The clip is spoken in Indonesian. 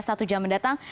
satu jam mendatang